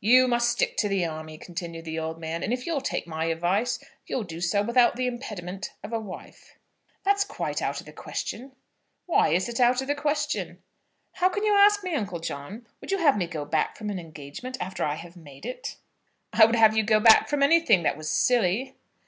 "You must stick to the army," continued the old man; "and if you'll take my advice, you'll do so without the impediment of a wife." "That's quite out of the question." "Why is it out of the question?" "How can you ask me, Uncle John? Would you have me go back from an engagement after I have made it?" "I would have you go back from anything that was silly."